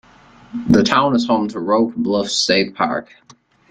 The town is home to Roque Bluffs State Park.